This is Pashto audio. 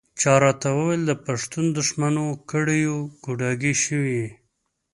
چا راته ویل د پښتون دښمنو کړیو ګوډاګی شوی یې.